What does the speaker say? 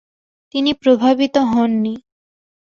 তিনি প্রভাবিত হননি।